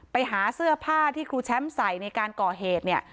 ไปหาเสื้อผ้าที่ครูแชมป์ใส่ในการก่อเหตุเนี่ย